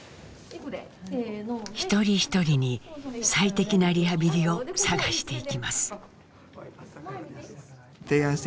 一人一人に最適なリハビリを探していきます。